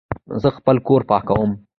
زه خپل کور پاکوم